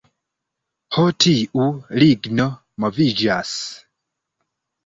Ho tiu ligno moviĝas...